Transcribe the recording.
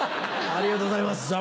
ありがとうございます。